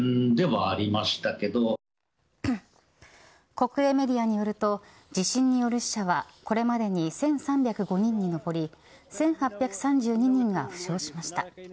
国営メディアによると地震による死者はこれまでに１３０５人に上り１８３２人が負傷しました。